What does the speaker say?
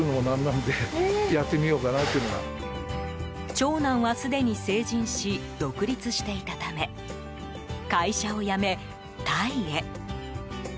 長男は、すでに成人し独立していたため会社を辞め、タイへ。